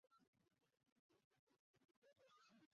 由于拱的内弧面大量不规则的变形导致了目前拱的形状。